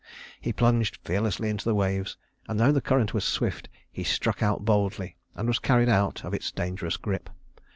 He plunged fearlessly into the waves; and though the current was swift, he struck out boldly and was carried out of its dangerous grip.